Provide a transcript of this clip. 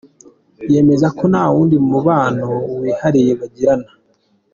Yemeza ko nta wundi mubano wihariye bagirana.